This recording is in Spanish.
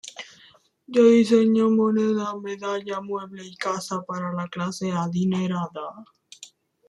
Diseñó monedas, medallas, muebles y casas para las clases adineradas.